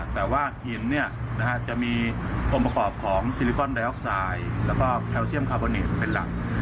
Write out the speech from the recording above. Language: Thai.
แต่ว่าหินจะมีองค์ประกอบของซิลิคอนไดออกไซด์แล้วก็แคลเซียมคาร์โบเนตเป็นหลัก